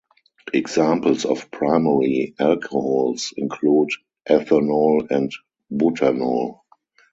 Examples of primary alcohols include ethanol and butanol.